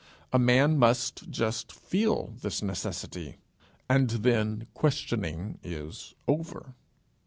A man must just feel this necessity, and then questioning is over.